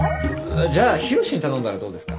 じゃあ浩志に頼んだらどうですか？